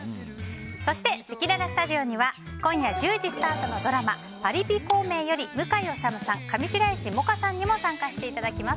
そして、せきららスタジオには今夜１０時スタートのドラマ「パリピ孔明」より向井理さん、上白石萌歌さんにも参加していただきます。